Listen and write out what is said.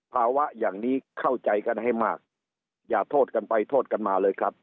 ภาวะอย่างนี้เข้าใจกันให้มากอย่าโทษกันไปโทษกันมาเลยครับ